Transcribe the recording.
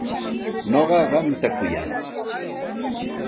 Nuqa qamta kuyaq.